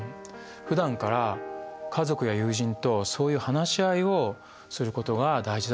ふだんから家族や友人とそういう話し合いをすることが大事だと思います。